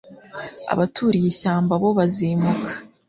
abaturiye ishyamba bo bazimuka